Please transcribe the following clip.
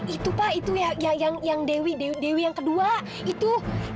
itu pak itu yang dewi dewi dewi yang kedua itu